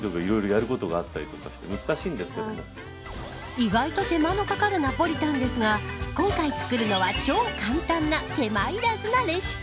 意外と手間のかかるナポリタンですが今回、作るのは超簡単な手間いらずなレシピ。